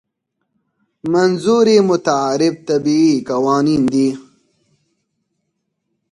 منظور یې متعارف طبیعي قوانین دي.